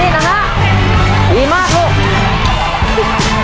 ดีมากลูก